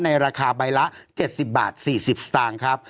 ราคาใบละ๗๐บาท๔๐สตางค์ครับ